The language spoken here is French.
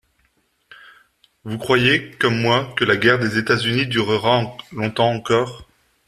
Vous croyez, comme moi, que la guerre des États−Unis durera longtemps encore?